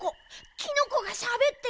キノコがしゃべってる！